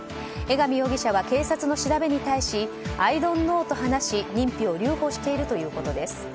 江上容疑者は警察の調べに対しアイドンノーと話し、認否を留保しているということです。